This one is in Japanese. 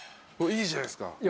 いいじゃないっすか。